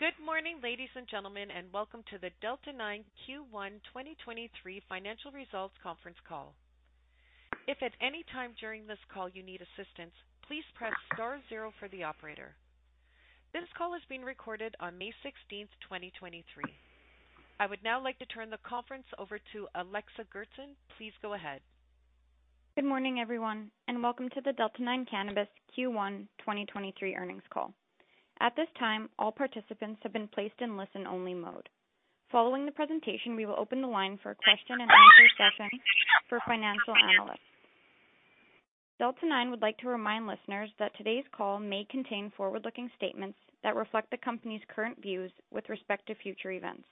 Good morning, ladies and gentlemen, welcome to the Delta 9 Q1 2023 financial results conference call. If at any time during this call you need assistance, please press star zero for the operator. This call is being recorded on May 16th, 2023. I would now like to turn the conference over to Alexa Goertzen. Please go ahead. Good morning, everyone, welcome to the Delta 9 Cannabis Q1 2023 earnings call. At this time, all participants have been placed in listen-only mode. Following the presentation, we will open the line for a question-and-answer session for financial analysts. Delta 9 would like to remind listeners that today's call may contain forward-looking statements that reflect the company's current views with respect to future events.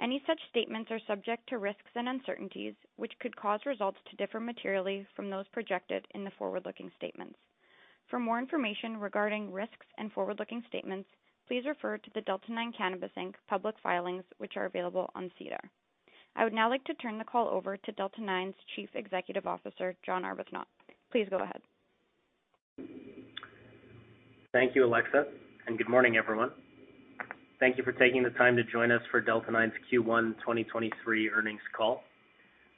Any such statements are subject to risks and uncertainties, which could cause results to differ materially from those projected in the forward-looking statements. For more information regarding risks and forward-looking statements, please refer to the Delta 9 Cannabis Inc. public filings, which are available on SEDAR. I would now like to turn the call over to Delta 9's Chief Executive Officer, John Arbuthnot. Please go ahead. Thank you, Alexa, and good morning, everyone. Thank you for taking the time to join us for Delta 9's Q1 2023 earnings call.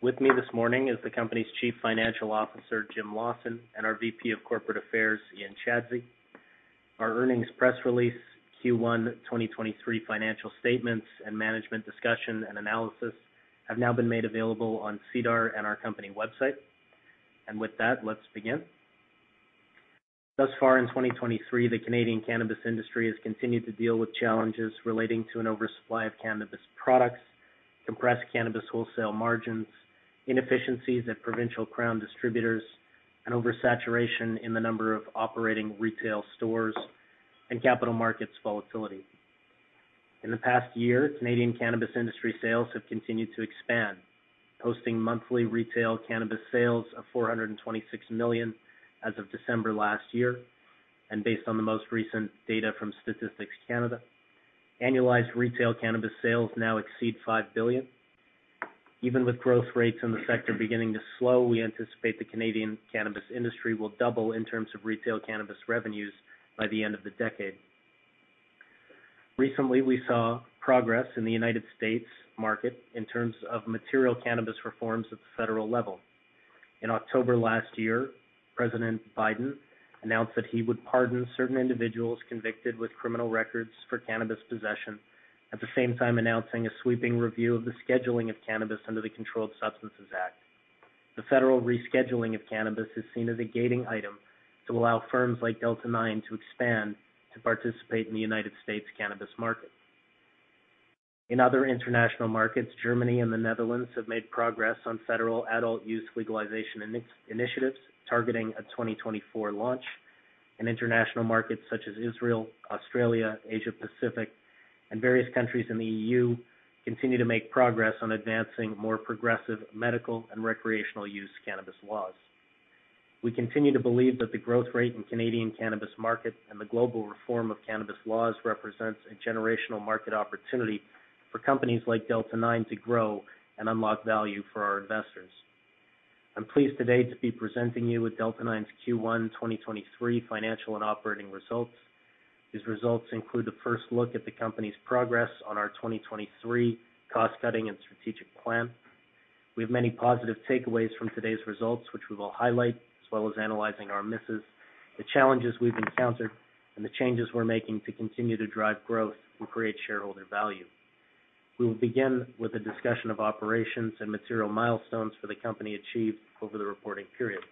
With me this morning is the company's Chief Financial Officer, Jim Lawson, and our VP of Corporate Affairs, Ian Chadsey. Our earnings press release, Q1 2023 financial statements, and management discussion and analysis have now been made available on SEDAR and our company website. With that, let's begin. Thus far in 2023, the Canadian cannabis industry has continued to deal with challenges relating to an oversupply of cannabis products, compressed cannabis wholesale margins, inefficiencies at provincial crown distributors, and oversaturation in the number of operating retail stores and capital markets volatility. In the past year, Canadian cannabis industry sales have continued to expand, posting monthly retail cannabis sales of 426 million as of December last year. Based on the most recent data from Statistics Canada, annualized retail cannabis sales now exceed 5 billion. Even with growth rates in the sector beginning to slow, we anticipate the Canadian cannabis industry will double in terms of retail cannabis revenues by the end of the decade. Recently, we saw progress in the U.S. market in terms of material cannabis reforms at the federal level. In October last year, President Biden announced that he would pardon certain individuals convicted with criminal records for cannabis possession, at the same time announcing a sweeping review of the scheduling of cannabis under the Controlled Substances Act. The federal rescheduling of cannabis is seen as a gating item to allow firms like Delta 9 to expand to participate in the U.S. cannabis market. Other international markets, Germany and the Netherlands have made progress on federal adult use legalization initiatives, targeting a 2024 launch. International markets such as Israel, Australia, Asia Pacific, and various countries in the EU continue to make progress on advancing more progressive medical and recreational use cannabis laws. We continue to believe that the growth rate in Canadian cannabis market and the global reform of cannabis laws represents a generational market opportunity for companies like Delta 9 to grow and unlock value for our investors. I'm pleased today to be presenting you with Delta 9's Q1 2023 financial and operating results. These results include the first look at the company's progress on our 2023 cost-cutting and strategic plan. We have many positive takeaways from today's results, which we will highlight, as well as analyzing our misses, the challenges we've encountered, and the changes we're making to continue to drive growth and create shareholder value. We will begin with a discussion of operations and material milestones for the company achieved over the reporting period.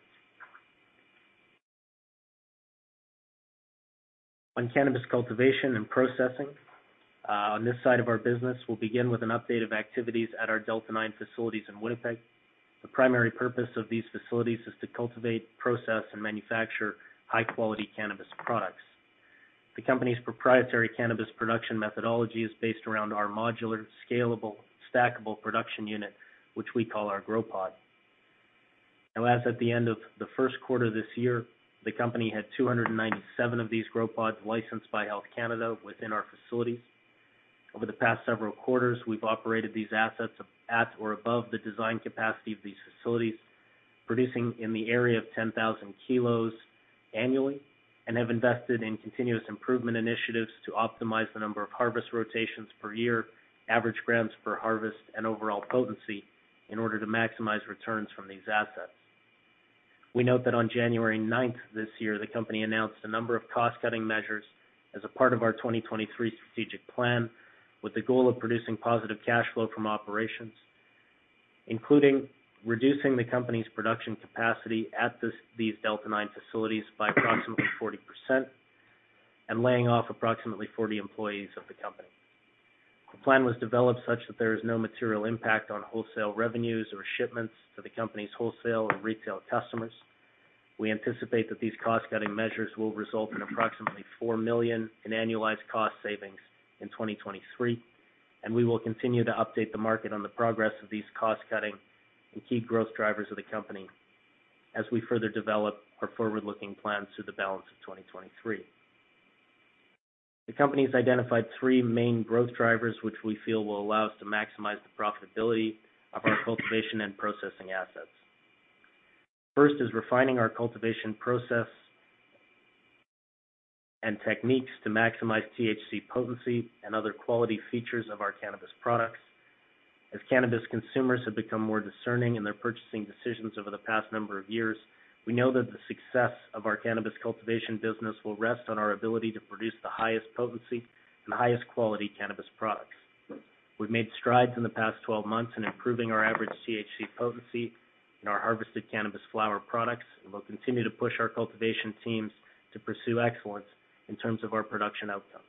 On cannabis cultivation and processing, on this side of our business, we'll begin with an update of activities at our Delta 9 facilities in Winnipeg. The primary purpose of these facilities is to cultivate, process, and manufacture high-quality cannabis products. The company's proprietary cannabis production methodology is based around our modular, scalable, stackable production unit, which we call our Grow Pod. As at the end of the first quarter this year, the company had 297 of these Grow Pods licensed by Health Canada within our facilities. Over the past several quarters, we've operated these assets at or above the design capacity of these facilities, producing in the area of 10,000 kilos annually and have invested in continuous improvement initiatives to optimize the number of harvest rotations per year, average grams per harvest, and overall potency in order to maximize returns from these assets. We note that on January 9th this year, the company announced a number of cost-cutting measures as a part of our 2023 strategic plan, with the goal of producing positive cash flow from operations, including reducing the company's production capacity these Delta 9 facilities by approximately 40% and laying off approximately 40 employees of the company. The plan was developed such that there is no material impact on wholesale revenues or shipments to the company's wholesale or retail customers. We anticipate that these cost-cutting measures will result in approximately 4 million in annualized cost savings in 2023, and we will continue to update the market on the progress of these cost-cutting and key growth drivers of the company as we further develop our forward-looking plans through the balance of 2023. The company's identified three main growth drivers, which we feel will allow us to maximize the profitability of our cultivation and processing assets. First is refining our cultivation process and techniques to maximize THC potency and other quality features of our cannabis products. As cannabis consumers have become more discerning in their purchasing decisions over the past number of years, we know that the success of our cannabis cultivation business will rest on our ability to produce the highest potency and highest quality cannabis products. We've made strides in the past 12 months in improving our average THC potency in our harvested cannabis flower products, and we'll continue to push our cultivation teams to pursue excellence in terms of our production outcomes.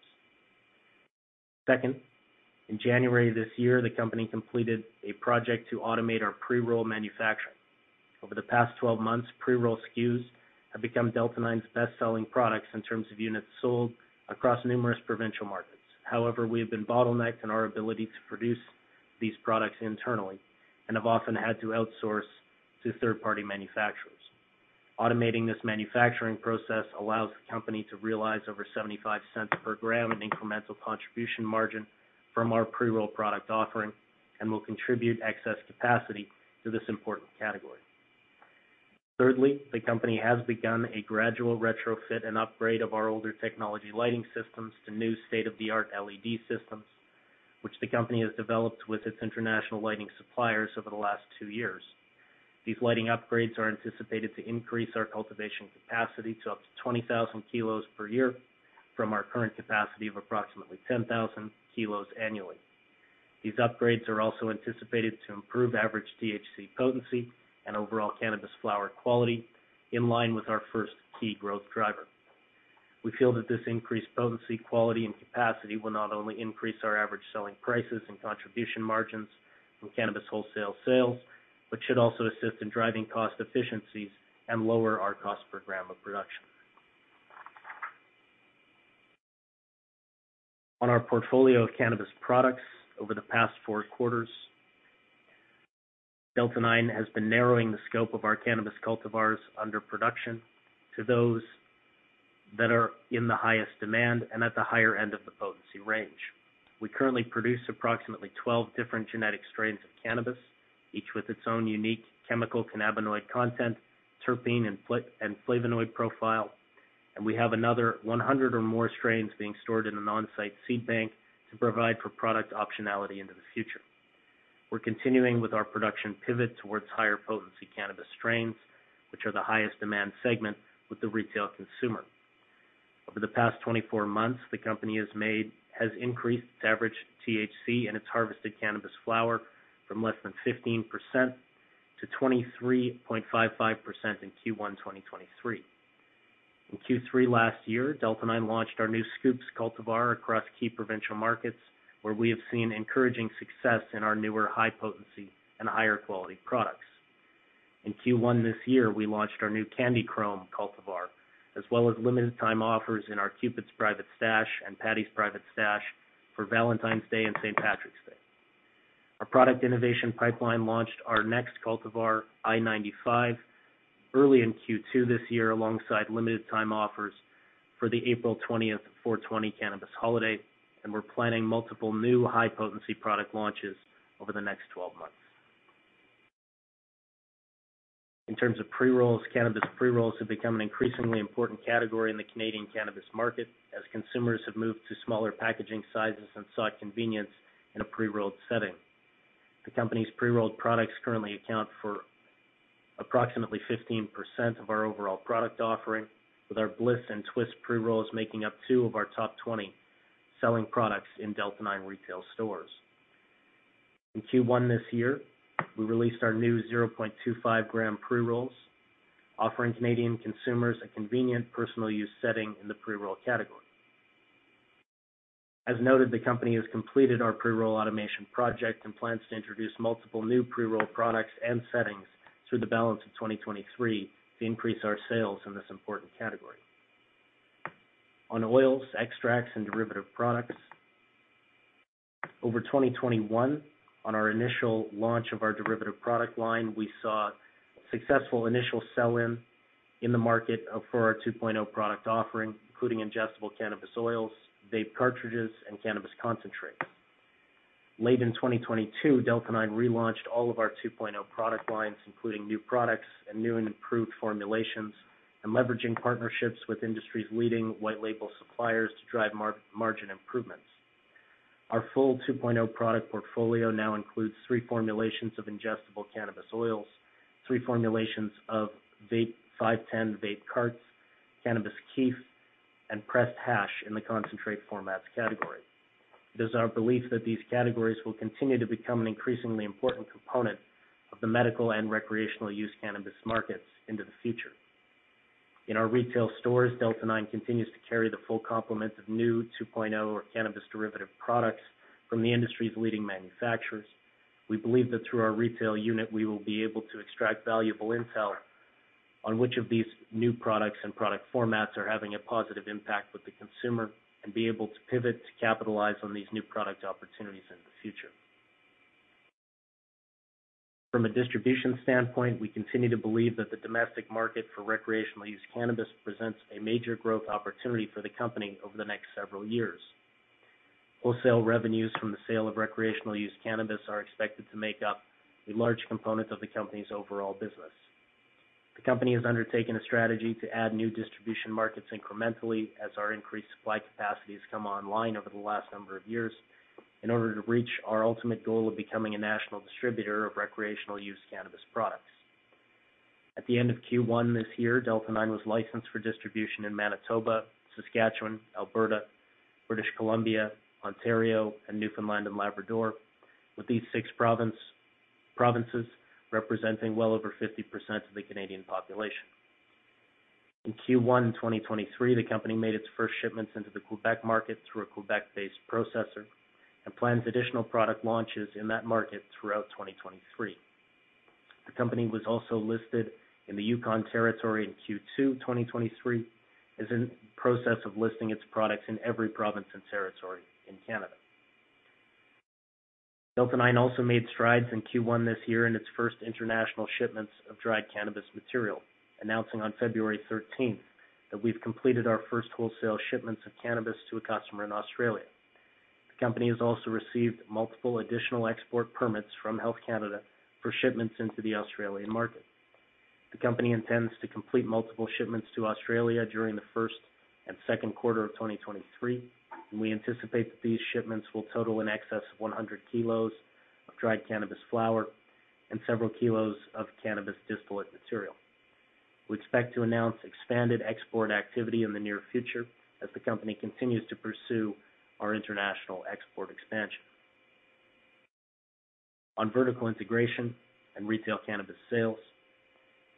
Second, in January this year, the company completed a project to automate our pre-roll manufacturing. Over the past 12 months, pre-roll SKUs have become Delta 9's best-selling products in terms of units sold across numerous provincial markets. However, we have been bottlenecked in our ability to produce these products internally and have often had to outsource to third-party manufacturers. Automating this manufacturing process allows the company to realize over 0.75 per gram in incremental contribution margin from our pre-roll product offering and will contribute excess capacity to this important category. Thirdly, the company has begun a gradual retrofit and upgrade of our older technology lighting systems to new state-of-the-art LED systems, which the company has developed with its international lighting suppliers over the last two years. These lighting upgrades are anticipated to increase our cultivation capacity to up to 20,000 kilos per year from our current capacity of approximately 10,000 kilos annually. These upgrades are also anticipated to improve average THC potency and overall cannabis flower quality in line with our first key growth driver. We feel that this increased potency, quality, and capacity will not only increase our average selling prices and contribution margins from cannabis wholesale sales, but should also assist in driving cost efficiencies and lower our cost per gram of production. On our portfolio of cannabis products over the past four quarters, Delta 9 has been narrowing the scope of our cannabis cultivars under production to those that are in the highest demand and at the higher end of the potency range. We currently produce approximately 12 different genetic strains of cannabis, each with its own unique chemical cannabinoid content, terpene and flavonoid profile, and we have another 100 or more strains being stored in an on-site seed bank to provide for product optionality into the future. We're continuing with our production pivot towards higher potency cannabis strains, which are the highest demand segment with the retail consumer. Over the past 24 months, the company has increased its average THC in its harvested cannabis flower from less than 15% to 23.55% in Q1 2023. In Q3 last year, Delta 9 launched our new Scoops cultivar across key provincial markets, where we have seen encouraging success in our newer high-potency and higher quality products. In Q1 this year, we launched our new Candy Chrome cultivar, as well as limited time offers in our Cupid's Private Stash and Paddy's Private Stash for Valentine's Day and St. Patrick's Day. Our product innovation pipeline launched our next cultivar, I-95, early in Q2 this year, alongside limited time offers for the April 20th 4/20 Cannabis Holiday, and we're planning multiple new high-potency product launches over the next 12 months. In terms of pre-rolls, cannabis pre-rolls have become an increasingly important category in the Canadian cannabis market as consumers have moved to smaller packaging sizes and sought convenience in a pre-rolled setting. The company's pre-rolled products currently account for approximately 15% of our overall product offering, with our Bliss and Twist pre-rolls making up two of our top 20 selling products in Delta 9 retail stores. In Q1 this year, we released our new 0.25 gram pre-rolls, offering Canadian consumers a convenient personal use setting in the pre-roll category. As noted, the company has completed our pre-roll automation project and plans to introduce multiple new pre-roll products and settings through the balance of 2023 to increase our sales in this important category. On oils, extracts, and derivative products. Over 2021, on our initial launch of our derivative product line, we saw successful initial sell-in in the market for our 2.0 product offering, including ingestible cannabis oils, vape cartridges, and cannabis concentrates. Late in 2022, Delta 9 relaunched all of our 2.0 product lines, including new products and new and improved formulations, leveraging partnerships with industry's leading white label suppliers to drive margin improvements. Our full 2.0 product portfolio now includes three formulations of ingestible cannabis oils, three formulations of vape, 510 vape carts, cannabis kief, and pressed hash in the concentrate formats category. It is our belief that these categories will continue to become an increasingly important component of the medical and recreational use cannabis markets into the future. In our retail stores, Delta 9 continues to carry the full complement of new 2.0 or cannabis derivative products from the industry's leading manufacturers. We believe that through our retail unit, we will be able to extract valuable intel on which of these new products and product formats are having a positive impact with the consumer and be able to pivot to capitalize on these new product opportunities in the future. From a distribution standpoint, we continue to believe that the domestic market for recreational use cannabis presents a major growth opportunity for the company over the next several years. Wholesale revenues from the sale of recreational use cannabis are expected to make up a large component of the company's overall business. The company has undertaken a strategy to add new distribution markets incrementally as our increased supply capacity has come online over the last number of years in order to reach our ultimate goal of becoming a national distributor of recreational use cannabis products. At the end of Q1 this year, Delta 9 was licensed for distribution in Manitoba, Saskatchewan, Alberta, British Columbia, Ontario, and Newfoundland and Labrador, with these six provinces representing well over 50% of the Canadian population. In Q1 2023, the company made its first shipments into the Quebec market through a Quebec-based processor and plans additional product launches in that market throughout 2023. The company was also listed in the Yukon Territory in Q2 2023 and is in process of listing its products in every province and territory in Canada. Delta 9 also made strides in Q1 this year in its first international shipments of dried cannabis material, announcing on February 13th that we've completed our first wholesale shipments of cannabis to a customer in Australia. The company has also received multiple additional export permits from Health Canada for shipments into the Australian market. The company intends to complete multiple shipments to Australia during the first and second quarter of 2023. We anticipate that these shipments will total in excess of 100 kilos of dried cannabis flower and several kilos of cannabis distillate material. We expect to announce expanded export activity in the near future as the company continues to pursue our international export expansion. On vertical integration and retail cannabis sales,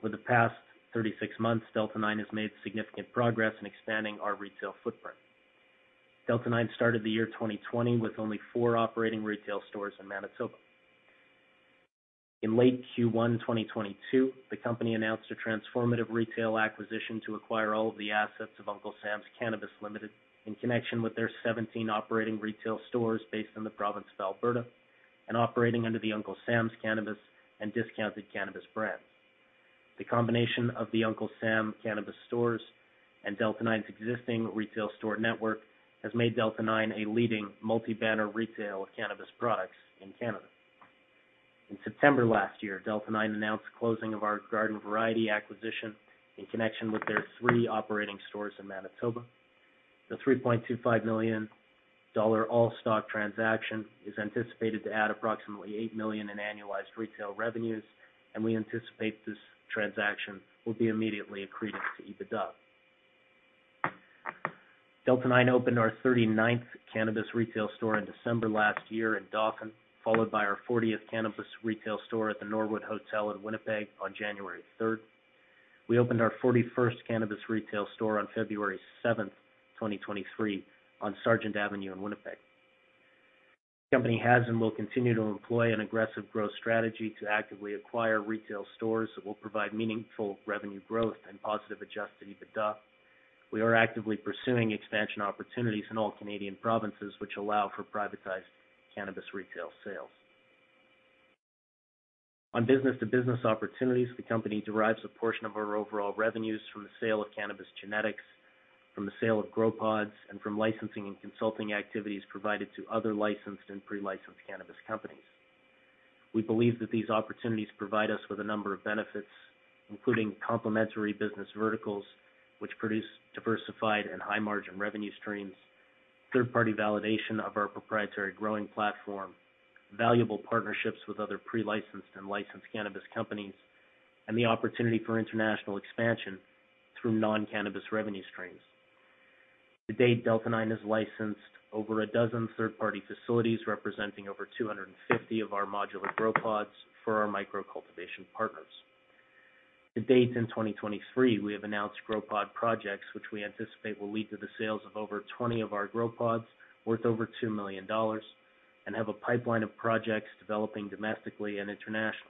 for the past 36 months, Delta 9 has made significant progress in expanding our retail footprint. Delta 9 started the year 2020 with only four operating retail stores in Manitoba. In late Q1 2022, the company announced a transformative retail acquisition to acquire all of the assets of Uncle Sam's Cannabis Ltd. in connection with their 17 operating retail stores based in the province of Alberta and operating under the Uncle Sam's Cannabis and Discounted Cannabis brands. The combination of the Uncle Sam's Cannabis stores and Delta 9's existing retail store network has made Delta 9 a leading multi-banner retail of cannabis products in Canada. In September last year, Delta 9 announced closing of our Garden Variety acquisition in connection with their three operating stores in Manitoba. The 3.25 million dollar all-stock transaction is anticipated to add approximately 8 million in annualized retail revenues, and we anticipate this transaction will be immediately accretive to EBITDA. Delta 9 opened our 39th cannabis retail store in December last year in Dauphin, followed by our 40th cannabis retail store at the Norwood Hotel in Winnipeg on January 3rd. We opened our 41st cannabis retail store on February 7th, 2023, on Sargent Avenue in Winnipeg. The company has and will continue to employ an aggressive growth strategy to actively acquire retail stores that will provide meaningful revenue growth and positive adjusted EBITDA. We are actively pursuing expansion opportunities in all Canadian provinces which allow for privatized cannabis retail sales. On business-to-business opportunities, the company derives a portion of our overall revenues from the sale of cannabis genetics, from the sale of Grow Pods, and from licensing and consulting activities provided to other licensed and pre-licensed cannabis companies. We believe that these opportunities provide us with a number of benefits, including complementary business verticals, which produce diversified and high-margin revenue streams, third-party validation of our proprietary growing platform, valuable partnerships with other pre-licensed and licensed cannabis companies, and the opportunity for international expansion through non-cannabis revenue streams. To date, Delta 9 is licensed over a dozen third-party facilities, representing over 250 of our modular Grow Pods for our micro cultivation partners. To date, in 2023, we have announced Grow Pod projects, which we anticipate will lead to the sales of over 20 of our Grow Pods worth over $2 million and have a pipeline of projects developing domestically and internationally.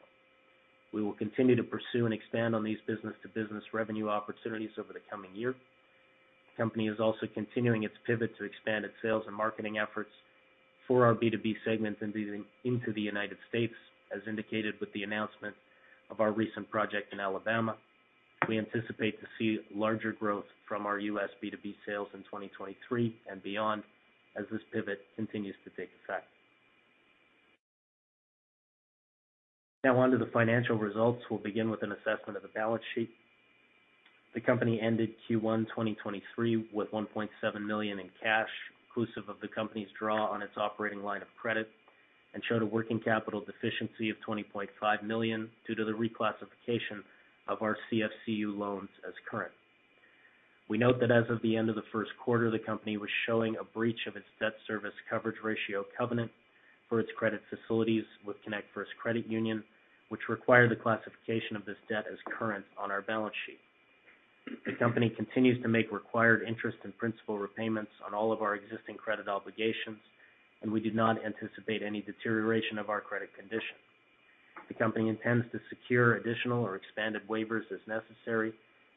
We will continue to pursue and expand on these business-to-business revenue opportunities over the coming year. The company is also continuing its pivot to expand its sales and marketing efforts for our B2B segments into the United States, as indicated with the announcement of our recent project in Alabama. We anticipate to see larger growth from our US B2B sales in 2023 and beyond as this pivot continues to take effect. On to the financial results. We'll begin with an assessment of the balance sheet. The company ended Q1 2023 with 1.7 million in cash, inclusive of the company's draw on its operating line of credit, and showed a working capital deficiency of 20.5 million due to the reclassification of our CFCU loans as current. We note that as of the end of the first quarter, the company was showing a breach of its debt service coverage ratio covenant for its credit facilities with Connect First Credit Union, which require the classification of this debt as current on our balance sheet. The company continues to make required interest and principal repayments on all of our existing credit obligations, and we do not anticipate any deterioration of our credit condition. The company intends to secure additional or expanded waivers as necessary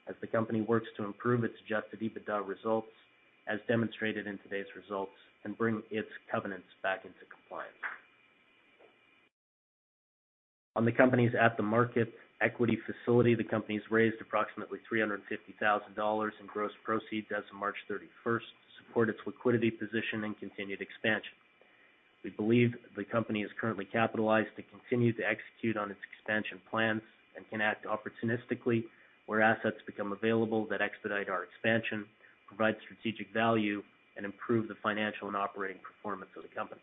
as the company works to improve its adjusted EBITDA results as demonstrated in today's results and bring its covenants back into compliance. On the company's at-the-market equity facility, the company's raised approximately 350,000 dollars in gross proceeds as of March 31st to support its liquidity position and continued expansion. We believe the company is currently capitalized to continue to execute on its expansion plans and can act opportunistically where assets become available that expedite our expansion, provide strategic value, and improve the financial and operating performance of the company.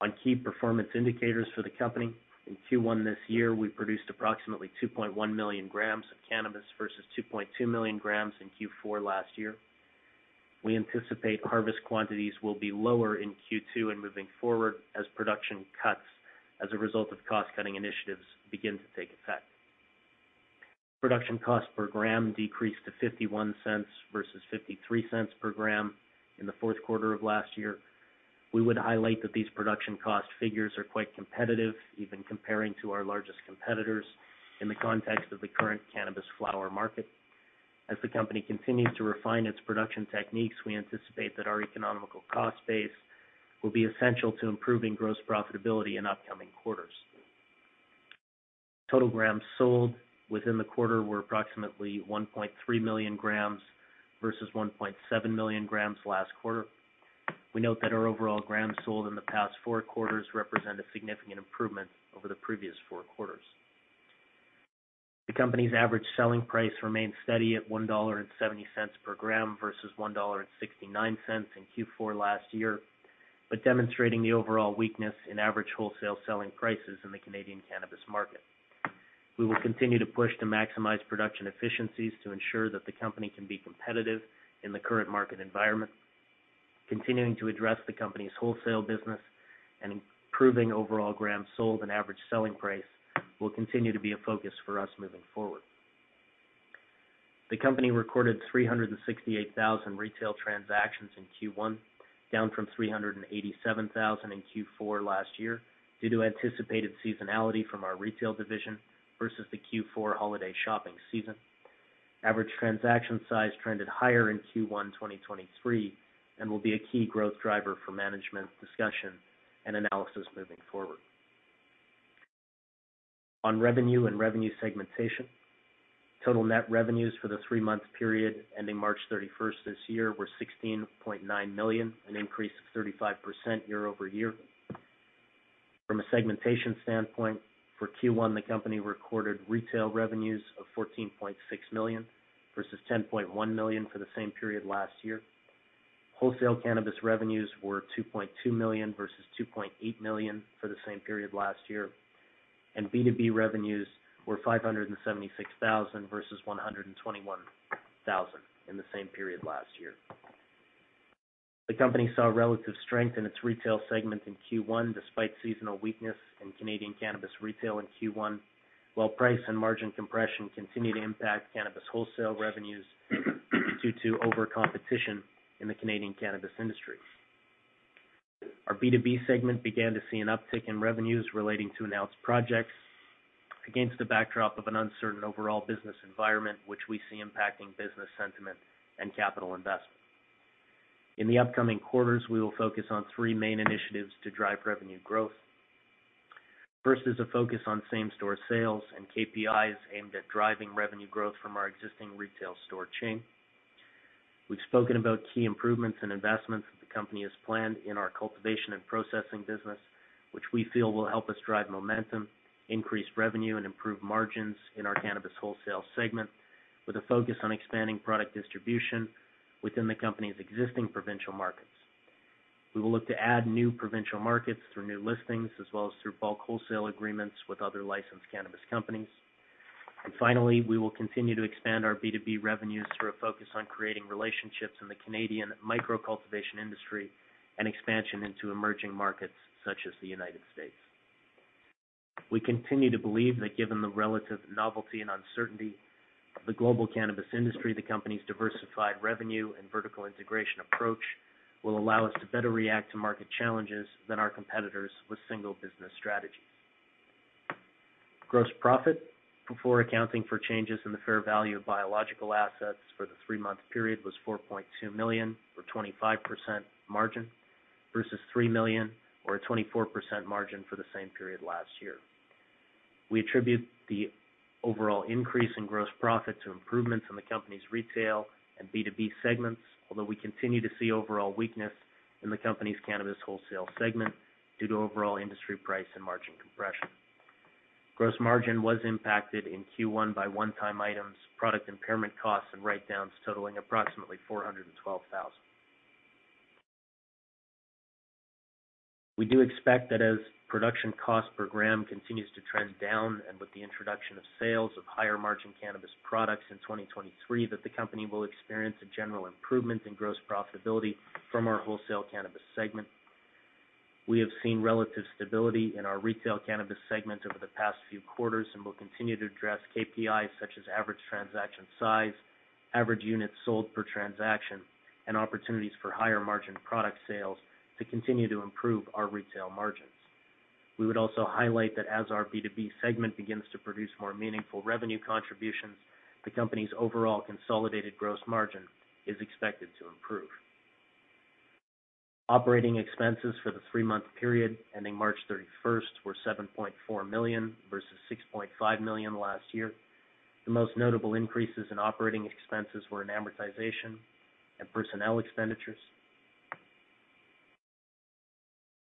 On Key Performance Indicators for the company, in Q1 this year, we produced approximately 2.1 million grams of cannabis versus 2.2 million grams in Q4 last year. We anticipate harvest quantities will be lower in Q2 and moving forward as production cuts as a result of cost-cutting initiatives begin to take effect. Production cost per gram decreased to 0.51 versus 0.53 per gram in the fourth quarter of last year. We would highlight that these production cost figures are quite competitive, even comparing to our largest competitors in the context of the current cannabis flower market. As the company continues to refine its production techniques, we anticipate that our economical cost base will be essential to improving gross profitability in upcoming quarters. Total grams sold within the quarter were approximately 1.3 million grams versus 1.7 million grams last quarter. We note that our overall grams sold in the past 4 quarters represent a significant improvement over the previous four quarters. The company's average selling price remains steady at 1.70 dollar per gram versus 1.69 dollar in Q4 last year, but demonstrating the overall weakness in average wholesale selling prices in the Canadian cannabis market. We will continue to push to maximize production efficiencies to ensure that the company can be competitive in the current market environment. Continuing to address the company's wholesale business and improving overall grams sold and average selling price will continue to be a focus for us moving forward. The company recorded 368,000 retail transactions in Q1, down from 387,000 in Q4 last year due to anticipated seasonality from our retail division versus the Q4 holiday shopping season. Average transaction size trended higher in Q1 2023 and will be a key growth driver for management discussion and analysis moving forward. On revenue and revenue segmentation, total net revenues for the three-month period ending March 31st this year were 16.9 million, an increase of 35% year-over-year. From a segmentation standpoint, for Q1, the company recorded retail revenues of 14.6 million versus 10.1 million for the same period last year. Wholesale cannabis revenues were 2.2 million versus 2.8 million for the same period last year. B2B revenues were 576,000 versus 121,000 in the same period last year. The company saw relative strength in its retail segment in Q1 despite seasonal weakness in Canadian cannabis retail in Q1, while price and margin compression continue to impact cannabis wholesale revenues due to overcompetition in the Canadian cannabis industry. Our B2B segment began to see an uptick in revenues relating to announced projects against the backdrop of an uncertain overall business environment, which we see impacting business sentiment and capital investment. In the upcoming quarters, we will focus on three main initiatives to drive revenue growth. First is a focus on same-store sales and KPIs aimed at driving revenue growth from our existing retail store chain. We've spoken about key improvements and investments that the company has planned in our cultivation and processing business, which we feel will help us drive momentum, increase revenue, and improve margins in our cannabis wholesale segment with a focus on expanding product distribution within the company's existing provincial markets. We will look to add new provincial markets through new listings as well as through bulk wholesale agreements with other licensed cannabis companies. Finally, we will continue to expand our B2B revenues through a focus on creating relationships in the Canadian micro-cultivation industry and expansion into emerging markets such as the United States. We continue to believe that given the relative novelty and uncertainty of the global cannabis industry, the company's diversified revenue and vertical integration approach will allow us to better react to market challenges than our competitors with single business strategies. Gross profit before accounting for changes in the fair value of biological assets for the three-month period was 4.2 million or 25% margin versus 3 million or a 24% margin for the same period last year. We attribute the overall increase in gross profit to improvements in the company's retail and B2B segments, although we continue to see overall weakness in the company's cannabis wholesale segment due to overall industry price and margin compression. Gross margin was impacted in Q1 by one-time items, product impairment costs, and write-downs totaling approximately 412,000. We do expect that as production cost per gram continues to trend down and with the introduction of sales of higher-margin cannabis products in 2023, that the company will experience a general improvement in gross profitability from our wholesale cannabis segment. We have seen relative stability in our retail cannabis segment over the past few quarters and will continue to address KPIs such as average transaction size, average units sold per transaction, and opportunities for higher-margin product sales to continue to improve our retail margins. We would also highlight that as our B2B segment begins to produce more meaningful revenue contributions, the company's overall consolidated gross margin is expected to improve. Operating expenses for the three-month period ending March 31st were 7.4 million, versus 6.5 million last year. The most notable increases in operating expenses were in amortization and personnel expenditures.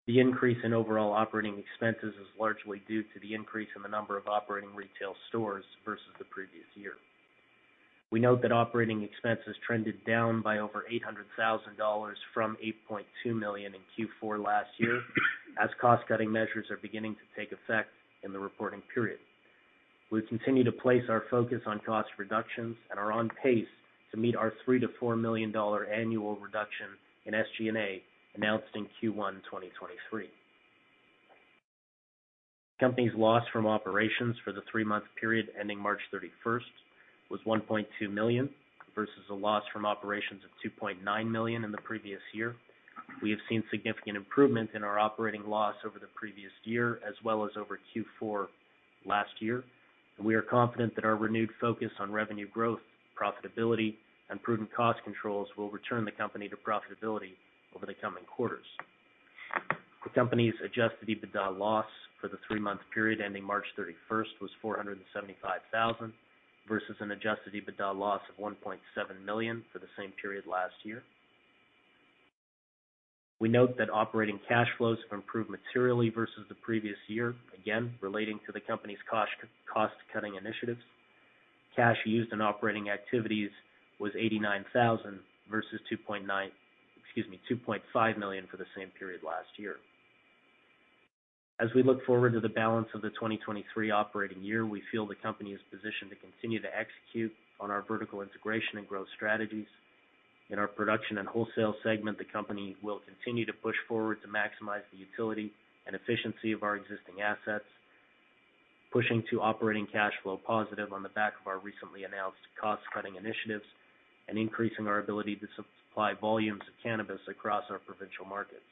The increase in overall operating expenses is largely due to the increase in the number of operating retail stores versus the previous year. We note that operating expenses trended down by over 800,000 dollars from 8.2 million in Q4 last year as cost-cutting measures are beginning to take effect in the reporting period. We continue to place our focus on cost reductions and are on pace to meet our 3 million-4 million dollar annual reduction in SG&A announced in Q1 2023. Company's loss from operations for the three-month period ending March thirty-first was 1.2 million versus a loss from operations of 2.9 million in the previous year. We have seen significant improvement in our operating loss over the previous year as well as over Q4 last year. We are confident that our renewed focus on revenue growth, profitability, and prudent cost controls will return the company to profitability over the coming quarters. The company's adjusted EBITDA loss for the three-month period ending March thirty-first was 475,000 versus an adjusted EBITDA loss of 1.7 million for the same period last year. We note that operating cash flows have improved materially versus the previous year, again relating to the company's cost-cutting initiatives. Cash used in operating activities was 89,000 versus 2.5 million for the same period last year. As we look forward to the balance of the 2023 operating year, we feel the company is positioned to continue to execute on our vertical integration and growth strategies. In our production and wholesale segment, the company will continue to push forward to maximize the utility and efficiency of our existing assets, pushing to operating cash flow positive on the back of our recently announced cost-cutting initiatives and increasing our ability to supply volumes of cannabis across our provincial markets.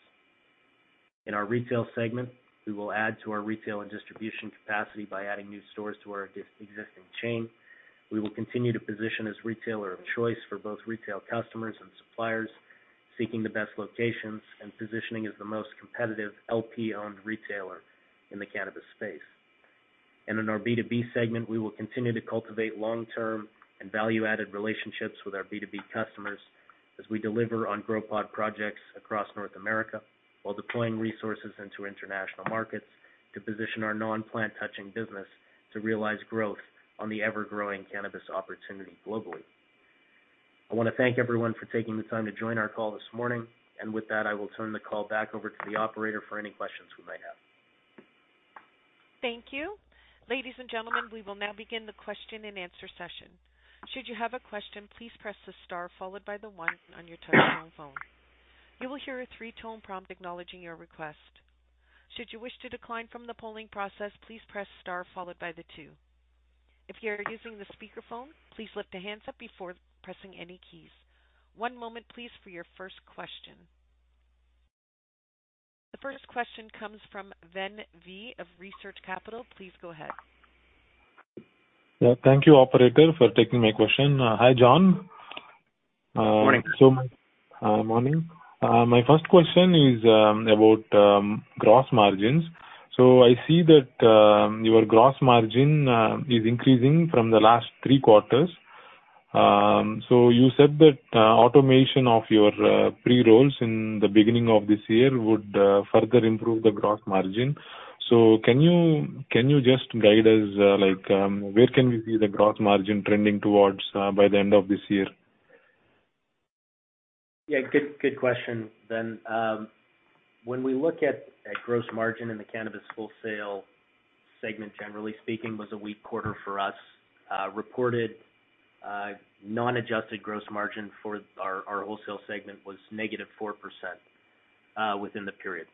In our retail segment, we will add to our retail and distribution capacity by adding new stores to our existing chain. We will continue to position as retailer of choice for both retail customers and suppliers, seeking the best locations and positioning as the most competitive LP-owned retailer in the cannabis space. In our B2B segment, we will continue to cultivate long-term and value-added relationships with our B2B customers as we deliver on Grow Pod projects across North America while deploying resources into international markets to position our non-plant touching business to realize growth on the ever-growing cannabis opportunity globally. I wanna thank everyone for taking the time to join our call this morning. With that, I will turn the call back over to the operator for any questions we might have. Thank you. Ladies and gentlemen, we will now begin the question-and-answer session. Should you have a question, please press the star followed by the one on your touchtone phone. You will hear a three-tone prompt acknowledging your request. Should you wish to decline from the polling process, please press star followed by the two. If you are using the speakerphone, please lift the handset before pressing any keys. One moment please for your first question. The first question comes from Ven V of Research Capital. Please go ahead. Yeah, thank you operator, for taking my question. Hi, John. Morning. Morning. My first question is about gross margins. I see that your gross margin is increasing from the last three quarters. You said that automation of your pre-rolls in the beginning of this year would further improve the gross margin. Can you just guide us, like, where can we see the gross margin trending towards by the end of this year? Good question, Ven. When we look at gross margin in the cannabis wholesale segment, generally speaking, was a weak quarter for us. Reported non-adjusted gross margin for our wholesale segment was -4% within the period.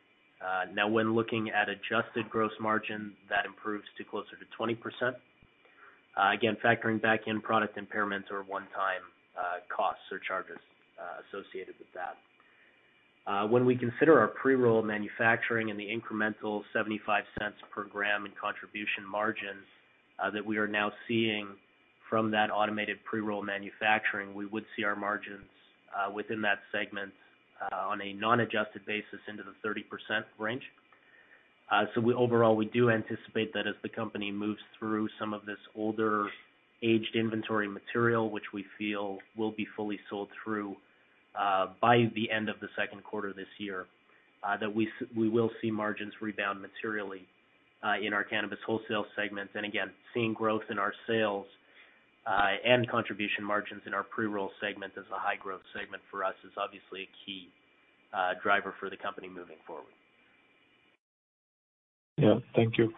Now when looking at adjusted gross margin, that improves to closer to 20%. Again, factoring back in product impairments or one-time costs or charges associated with that. When we consider our pre-roll manufacturing and the incremental 0.75 per gram in contribution margins that we are now seeing from that automated pre-roll manufacturing, we would see our margins within that segment on a non-adjusted basis into the 30% range. Overall, we do anticipate that as the company moves through some of this older aged inventory material, which we feel will be fully sold through by the end of the second quarter this year, that we will see margins rebound materially in our cannabis wholesale segments. Again, seeing growth in our sales and contribution margins in our pre-roll segment as a high-growth segment for us is obviously a key driver for the company moving forward. Yeah. Thank you.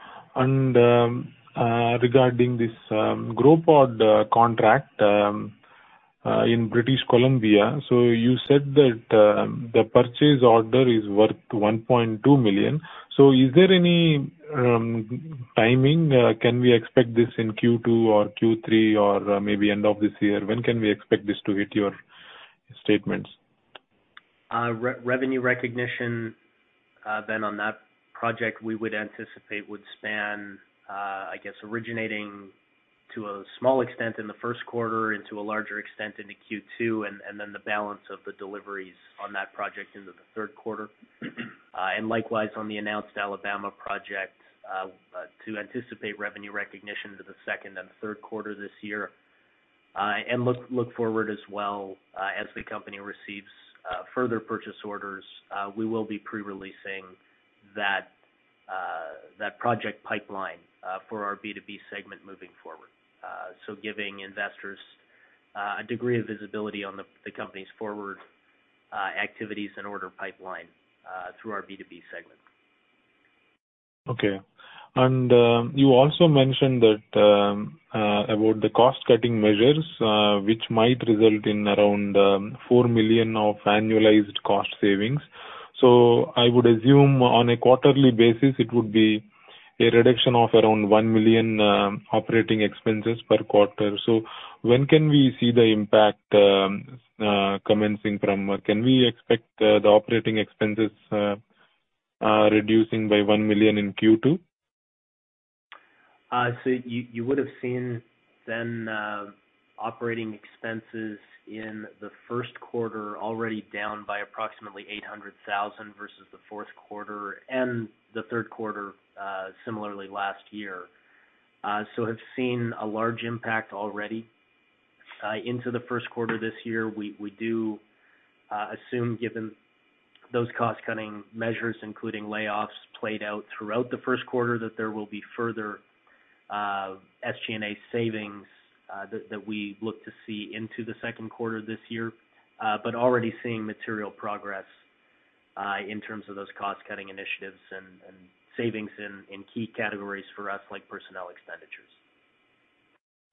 Regarding this Grow Pod contract in British Columbia, you said that the purchase order is worth 1.2 million. Is there any timing? Can we expect this in Q2 or Q3 or maybe end of this year? When can we expect this to hit your statements? Revenue recognition then on that project, we would anticipate would span, I guess originating to a small extent in the first quarter and to a larger extent into Q2, and then the balance of the deliveries on that project into the third quarter. Likewise, on the announced Alabama project, to anticipate revenue recognition to the second and third quarter this year. Look forward as well, as the company receives further purchase orders, we will be pre-releasing that project pipeline for our B2B segment moving forward. Giving investors a degree of visibility on the company's forward activities and order pipeline through our B2B segment. Okay. You also mentioned that about the cost-cutting measures, which might result in around 4 million of annualized cost savings. I would assume on a quarterly basis it would be a reduction of around 1 million operating expenses per quarter. When can we see the impact commencing from? Can we expect the operating expenses reducing by 1 million in Q2? You, you would have seen then, operating expenses in the first quarter already down by approximately 800,000 versus the fourth quarter and the third quarter, similarly last year. Have seen a large impact already into the first quarter this year. We do assume, given those cost-cutting measures, including layoffs played out throughout the first quarter, that there will be further SG&A savings that we look to see into the second quarter this year. Already seeing material progress in terms of those cost-cutting initiatives and savings in key categories for us, like personnel expenditures.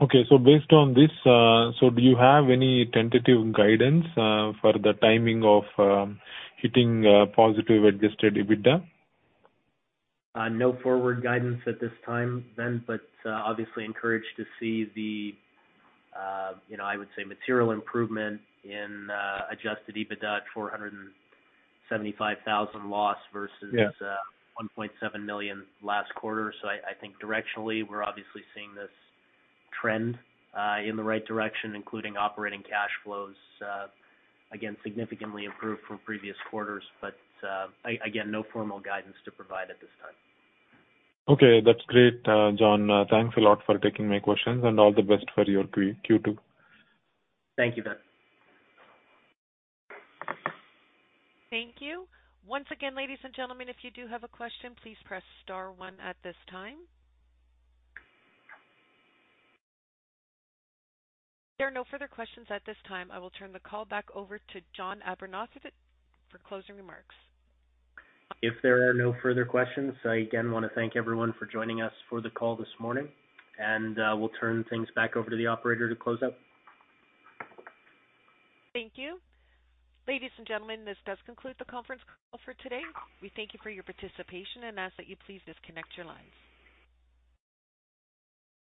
Based on this, do you have any tentative guidance for the timing of hitting positive adjusted EBITDA? No forward guidance at this time, Ven, but, obviously encouraged to see the, you know, I would say material improvement in, adjusted EBITDA at -475,000 loss. Yeah. versus 1.7 million last quarter. I think directionally we're obviously seeing this trend in the right direction, including operating cash flows, again, significantly improved from previous quarters. Again, no formal guidance to provide at this time. Okay. That's great, John. Thanks a lot for taking my questions and all the best for your Q2. Thank you, Ven. Thank you. Once again, ladies and gentlemen, if you do have a question, please press star one at this time. If there are no further questions at this time, I will turn the call back over to John Arbuthnot for closing remarks. If there are no further questions, I again wanna thank everyone for joining us for the call this morning, and we'll turn things back over to the operator to close out. Thank you. Ladies and gentlemen, this does conclude the conference call for today. We thank you for your participation and ask that you please disconnect your lines.